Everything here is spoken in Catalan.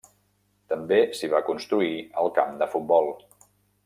També s'hi va construir el camp de futbol.